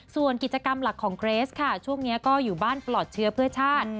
ส่วนกิจกรรมหลักของเกรสค่ะช่วงนี้ก็อยู่บ้านปลอดเชื้อเพื่อชาติ